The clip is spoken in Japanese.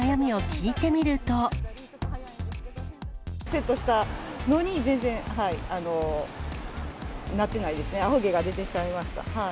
セットしたのに、全然、なってないですね、アホ毛が出てきちゃいました。